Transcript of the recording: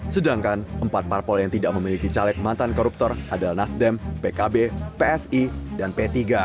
sedangkan empat parpol yang tidak memiliki caleg mantan koruptor adalah nasdem pkb psi dan p tiga